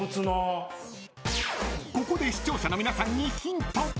［ここで視聴者の皆さんに］